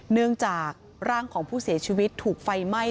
เนื่องจากร่างของผู้เสียชีวิตถูกไฟไหม้